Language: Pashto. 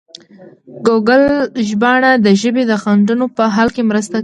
ګوګل ژباړن د ژبې د خنډونو په حل کې مرسته کوي.